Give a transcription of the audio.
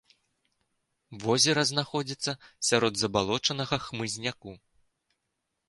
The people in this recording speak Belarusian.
Возера знаходзіцца сярод забалочанага хмызняку.